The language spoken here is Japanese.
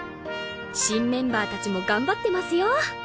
新メンバー達も頑張ってますよ。